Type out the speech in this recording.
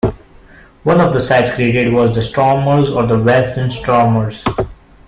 One of the sides created was the Stormers, or the Western Stormers.